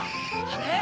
あれ？